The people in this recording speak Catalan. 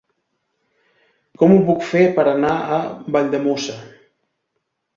Com ho puc fer per anar a Valldemossa?